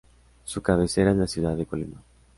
Su cabecera es la ciudad de Colima.